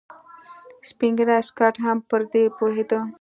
سپين ږيری سکاټ هم پر دې پوهېده.